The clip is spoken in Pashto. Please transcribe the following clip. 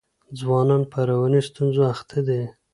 ځوانان په رواني ستونزو اخته دي.